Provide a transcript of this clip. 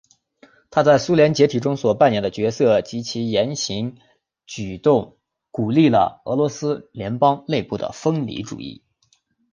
他在苏联解体中所扮演的角色及言行举动鼓励了俄罗斯联邦内部的分离主义。